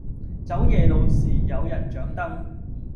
走夜路時有人掌燈